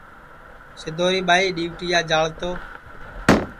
سدوری ٻائی ڈِؔوٹِیا جاݪ تو